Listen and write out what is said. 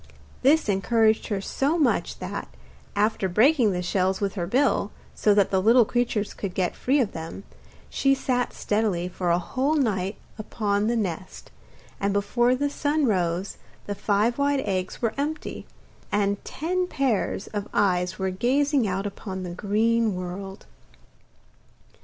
This encouraged her so much that, after breaking the shells with her bill, so that the little creatures could get free of them, she sat steadily for a whole night upon the nest, and before the sun arose the five white eggs were empty, and ten pairs of eyes were gazing out upon the green world.